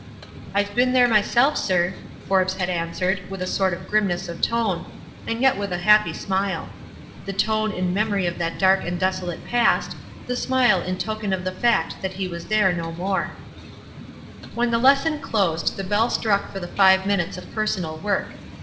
"I've been there myself, sir," Forbes had an swered, with a sort of grimness of tone, and yet with a happy smile ; the tone in memory of that dark and desolate past — the smile in token of the fact that he was there no more. 238 WISE AND OTHERWISE. When the lesson closed the bell struck for the five minutes of personal work.